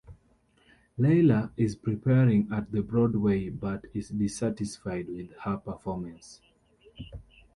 Layla is preparing at the Broadway but is dissatisfied with her performance.